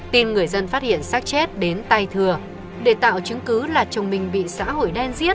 tin người dân phát hiện sắc chết đến tay thưa để tạo chứng cứ là chồng mình bị xã hội đen giết để cướp tài sản